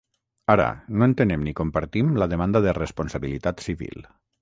Ara, no entenem ni compartim la demanda de responsabilitat civil.